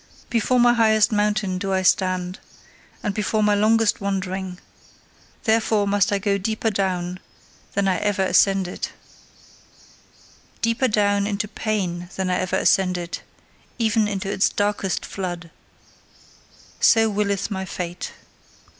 Before my highest mountain do I stand, and before my longest wandering: therefore must I first go deeper down than I ever ascended: Deeper down into pain than I ever ascended, even into its darkest flood! So willeth my fate.